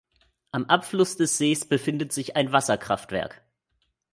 Am Abfluss des Sees befindet sich ein Wasserkraftwerk.